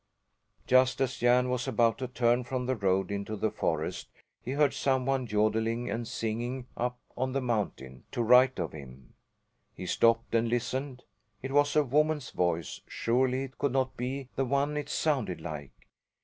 Just as Jan was about to turn from the road into the forest he heard some one yodelling and singing up on the mountain, to right of him. He stopped and listened. It was a woman's voice; surely it could not be the one it sounded like!